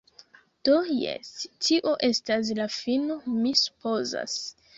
Do, jes, tio estas la fino, mi supozas.